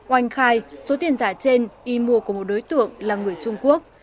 oanh khai số tiền giả trên y mua của một đối tượng là người trung quốc